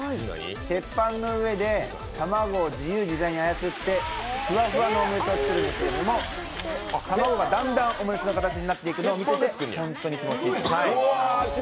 鉄板の上で卵を自由自在に操ってふわふわのオムレツを作るんですけれども卵がだんだんオムレツの形になっていくのを見ていると本当に気持ちいい。